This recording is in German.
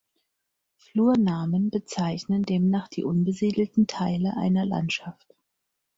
Flurnamen bezeichnen demnach die unbesiedelten Teile einer Landschaft.